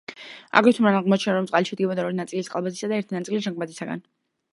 აგრეთვე მან აღმოაჩინა, რომ წყალი შედგებოდა ორი ნაწილი წყალბადისა და ერთი ნაწილი ჟანგბადისაგან.